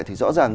thì rõ ràng